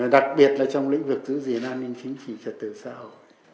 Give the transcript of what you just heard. đặc biệt là trong lĩnh vực giữ gìn an ninh chính trị trật tự xã hội